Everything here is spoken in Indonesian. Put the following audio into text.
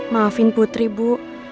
maafin putri bu